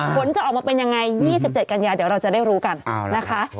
ผลจะออกมาเป็นยังไง๒๗กันยาเดี๋ยวเราจะได้รู้กันนะคะ